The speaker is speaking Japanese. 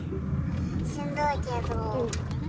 しんどいけど。